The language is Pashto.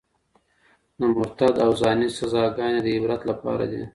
د مرتد او زاني سزاګانې د عبرت لپاره دي.